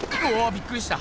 びっくりした。